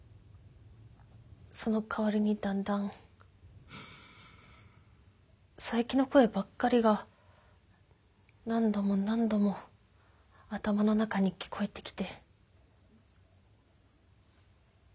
その代わりにだんだん佐伯の声ばっかりが何度も何度も頭の中に聞こえてきて。